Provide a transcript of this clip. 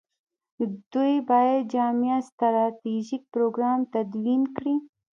دوی باید جامع ستراتیژیک پروګرام تدوین کړي.